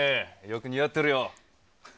よく似合ってるよ。